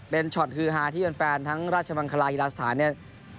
เป็นช็อตฮือฮาที่แฟนทั้งราชมังคลาฮีลาสถานเนี่ย